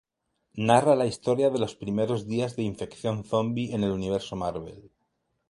Narra la historia de los primeros días de infección zombi en el universo Marvel.